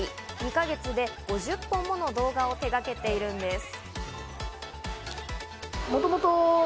２か月で５０本もの動画を手がけているんです。